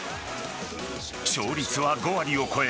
勝率は５割を超え